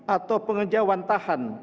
atau pengejauhan tahan